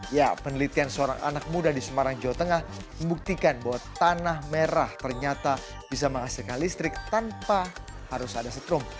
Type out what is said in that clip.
ya penelitian seorang anak muda di semarang jawa tengah membuktikan bahwa tanah merah ternyata bisa menghasilkan listrik tanpa harus ada setrum